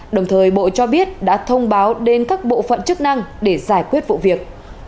đồng thời bộ cho biết đã thông báo đến các bộ phận chức năng để giải quyết vụ việc